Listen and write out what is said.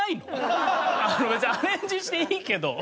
別にアレンジしていいけど。